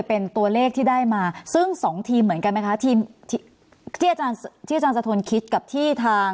เป็นตัวเลขที่ได้มาซึ่งสองทีมเหมือนกันไหมคะทีมที่อาจารย์ที่อาจารย์สะทนคิดกับที่ทาง